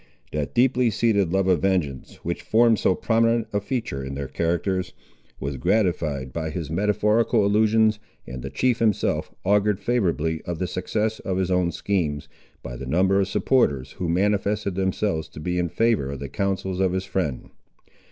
That deeply seated love of vengeance, which formed so prominent a feature in their characters, was gratified by his metaphorical allusions, and the chief himself augured favourably of the success of his own schemes, by the number of supporters, who manifested themselves to be in favour of the counsels of his friend.